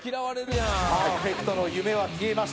パーフェクトの夢は消えました。